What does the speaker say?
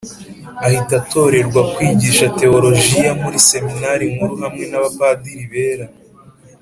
ahita atorerwa kwigisha teolojiya mu seminari nkuru hamwe n'abapadiri bera.